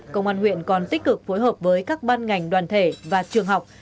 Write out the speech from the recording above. công an huyện còn tích cực phối hợp với các ban ngành đoàn thể và trường học